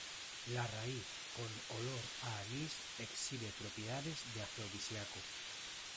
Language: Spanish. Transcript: La raíz con olor a anís exhibe propiedades de afrodisíaco.